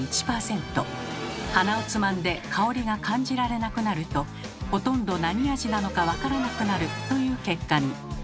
鼻をつまんで香りが感じられなくなるとほとんど何味なのかわからなくなるという結果に。